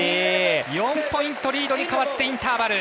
４ポイントリードに変わってインターバル。